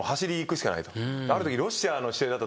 であるとき。